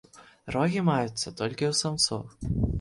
Рогі маюцца толькі ў самцоў.